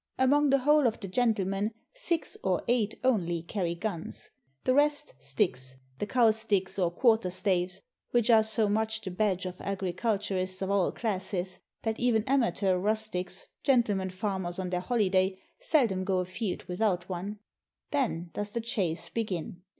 Among the whole of the gentlemen six or eight only carry guns; the rest, sticks, the cow sticks or quarter staves, which are so much the badge of agricul turists of all classes, that even amateur rustics, gentle men farmers on their holiday, seldom go afield with out one. Then does the chase begin.